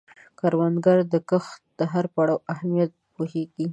کروندګر د کښت د هر پړاو اهمیت پوهیږي